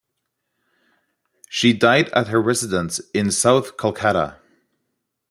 She died at her residence in south Kolkata.